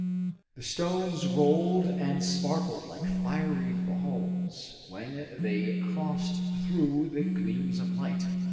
The stones rolled and sparkled like fiery balls when they crossed through the gleams of light.